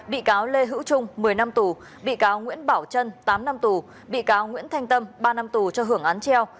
bị cáo lê hữu trung một mươi năm tù bị cáo nguyễn bảo trân tám năm tù bị cáo nguyễn thanh tâm ba năm tù cho hưởng án treo